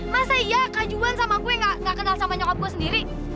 masa iya kak juhan sama gue gak kenal sama nyokap gue sendiri